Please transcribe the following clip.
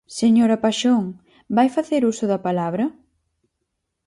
¡Señora Paxón, ¿vai facer uso da palabra?!